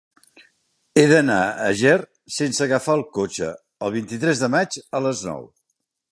He d'anar a Ger sense agafar el cotxe el vint-i-tres de maig a les nou.